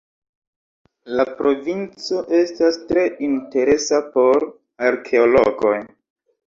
La provinco estas tre interesa por arkeologoj.